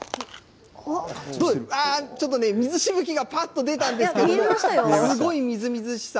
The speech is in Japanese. ちょっとね水しぶきがぱっと出たんですけれどすごいみずみずしさ。